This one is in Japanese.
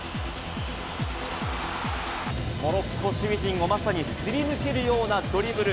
モロッコ守備陣をまさにすり抜けるようなドリブル。